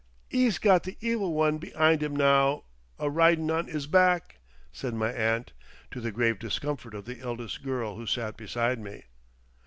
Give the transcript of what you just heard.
"'E's got the evil one be'ind 'im now, a ridin' on 'is back," said my aunt, to the grave discomfort of the eldest girl, who sat beside me.